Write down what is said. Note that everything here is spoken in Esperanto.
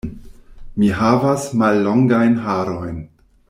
Mi havas mallongajn harojn.